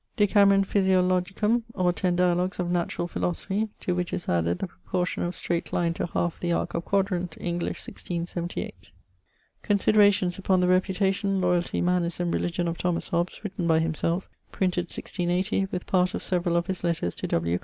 Decameron Physiologicum, or ten dialogues of naturall philosophy, to which is added the proportion of straight line to halfe the arc of quadrant, English, 1678. Considerations upon the reputation, loyalty, manners, and religion of Thomas Hobbes, written by himselfe, printed 1680, with part of severall of his letters to W.